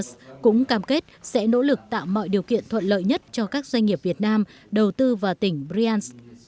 thống đốc bogomars cũng tham kết sẽ nỗ lực tạo mọi điều kiện thuận lợi nhất cho các doanh nghiệp việt nam đầu tư vào tỉnh bryansk